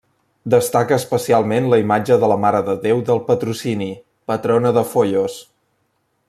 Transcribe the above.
Destaca especialment la imatge de la Mare de Déu del Patrocini, patrona de Foios.